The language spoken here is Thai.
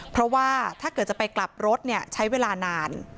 เพราะว่าถ้าเกิดจะไปกลับรถใช้เวลานาน